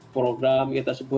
program kita sebut